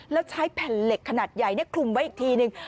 แล้วใช้แผ่นเหล็กขนาดใหญ่คลุมไว้อีกทีนึง